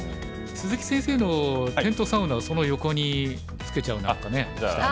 鈴木先生のテントサウナその横につけちゃうなんかして。